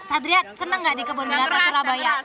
satria senang gak di kebun binatang surabaya